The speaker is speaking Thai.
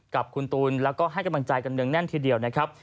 กับคุณตูนแล้วก็ให้กำลังใจกันเนืองแน่นทีเดียวนะครับ